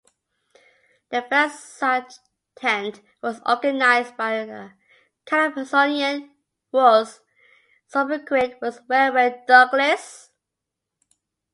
The first such tent was organised by a calypsonian whose sobriquet was Railway Douglas.